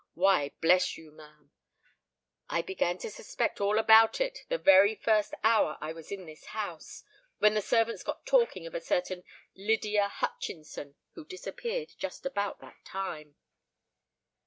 Why, bless you, ma'am, I began to suspect all about it the very first hour I was in this house, when the servants got talking of a certain Lydia Hutchinson who disappeared just about that time."